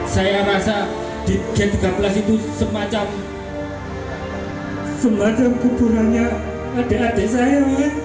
saya rasa di g tiga belas itu semacam semacam kuburannya adik adik saya